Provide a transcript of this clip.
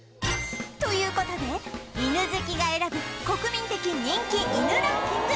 という事で犬好きが選ぶ国民的人気犬ランキング